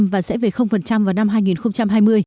và sẽ về vào năm hai nghìn hai mươi